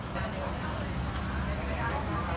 จะไข่ทีนี้ลิ้วกันก่อน